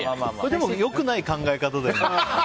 でも良くない考え方だよね。